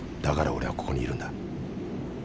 だから俺はここにいるんだ。